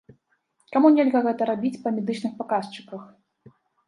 Каму нельга гэта рабіць па медычных паказчыках?